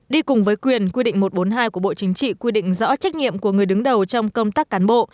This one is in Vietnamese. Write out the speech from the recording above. đi cùng với quyền quy định một trăm bốn mươi hai của bộ chính trị quy định rõ trách nhiệm của người đứng đầu trong công tác cán bộ